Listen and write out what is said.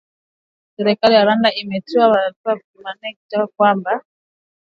Serikali ya Rwanda imetoa taarifa jumanne ikitaja madai hayo kuwa si ya kweli ikiongezea kwamba